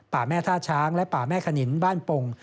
แม่ท่าช้างและป่าแม่ขนินบ้านโป่ง